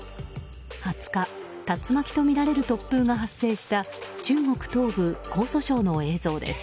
２０日竜巻とみられる突風が発生した中国東部・江蘇省の映像です。